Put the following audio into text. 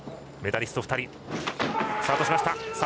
メダリスト２人。